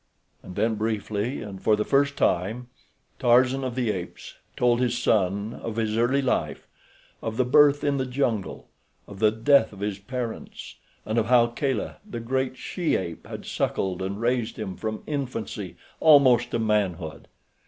And then, briefly and for the first time, Tarzan of the Apes told his son of his early life—of the birth in the jungle, of the death of his parents, and of how Kala, the great she ape had suckled and raised him from infancy almost to manhood.